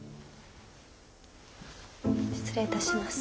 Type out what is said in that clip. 失礼いたします。